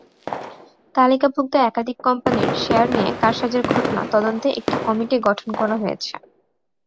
তালিকাভুক্ত একাধিক কোম্পানির শেয়ার নিয়ে কারসাজির ঘটনা তদন্তে একটি কমিটি গঠন করা হয়েছে।